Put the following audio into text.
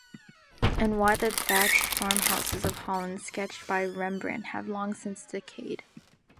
And why the thatched farmhouses of Holland sketched by Rembrandt have long since decayed.